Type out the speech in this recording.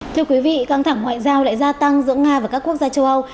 thưa quý vị căng thẳng ngoại giao lại gia tăng giữa nga và các quốc gia châu âu